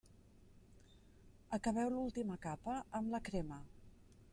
Acabeu l'última capa amb la crema.